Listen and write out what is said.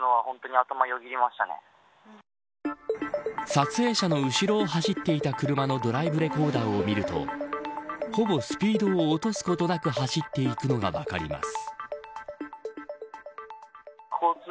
撮影者の後ろを走っていた車のドライブレコーダーを見るとほぼスピードを落とすことなく走っていくのが分かります。